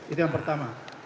itu yang pertama